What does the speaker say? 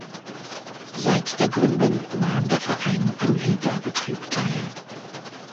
Seit der Gründung nahm der Verein am Ligabetrieb teil.